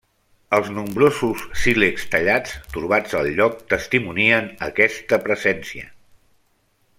Els nombrosos sílexs tallats, trobats al lloc, testimonien aquesta presència.